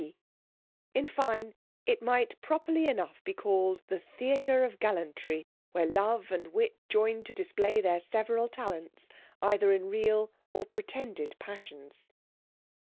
C : in fine, it might properly enough be called the theatre of gallantry, where love and wit joined to display their several talents either in real or pretended passions.